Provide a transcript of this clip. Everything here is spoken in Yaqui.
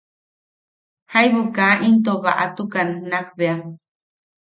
Jaibu ka into baʼatukan nakbea.